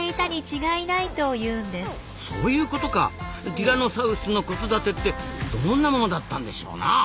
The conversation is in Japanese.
ティラノサウルスの子育てってどんなものだったんでしょうなあ？